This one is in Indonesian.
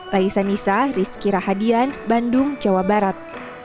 laisa nisa rizky rahadian bandung jawa barat